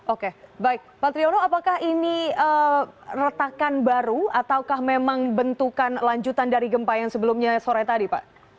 oke baik pak triono apakah ini retakan baru ataukah memang bentukan lanjutan dari gempa yang sebelumnya sore tadi pak